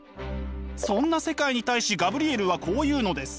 そんな世界に対しガブリエルはこう言うのです。